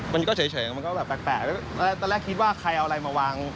มันก็เฉยมันก็แบบแปลกตอนแรกคิดว่าใครเอาอะไรมาวาง